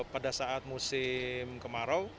pada saat musim kemarau